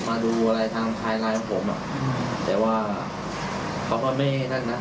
มาดูอะไรทางไทยไลน์ของผมแต่ว่าเขาก็ไม่นั่นนะไม่ติดต่อไม่อะไร